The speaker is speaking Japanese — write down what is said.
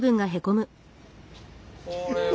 これは。